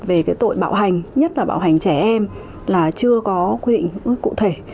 về cái tội bạo hành nhất là bạo hành trẻ em là chưa có quy định cụ thể